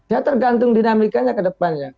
ya tergantung dinamikanya ke depannya